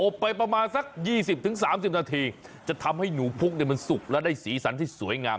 ไปประมาณสัก๒๐๓๐นาทีจะทำให้หนูพุกมันสุกและได้สีสันที่สวยงาม